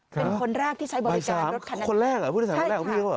เป็นคนแรกที่ใช้บริการรถคันนั้นคนแรกเหรอผู้โดยสารคนแรกของพี่หรือเปล่า